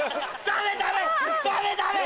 ダメだよ。